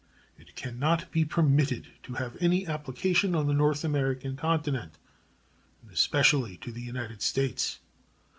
It can not be permitted to have any application on the North American continent, and especially to the United States.